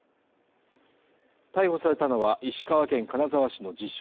逮捕されたのは石川県金沢市の自称